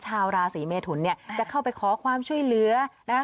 ชาวราศีเมทุนเนี่ยจะเข้าไปขอความช่วยเหลือนะคะ